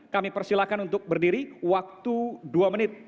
kami persilahkan untuk berdiri waktu dua menit